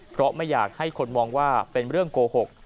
เพราะไม่อยากให้คนมองว่าเป็นเรื่องโกหก